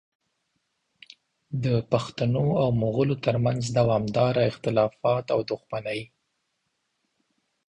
د پښتنو او مغولو ترمنځ دوامداره اختلافات او دښمنۍ